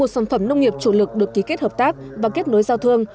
một mươi một sản phẩm nông nghiệp chủ lực được ký kết hợp tác và kết nối giao thương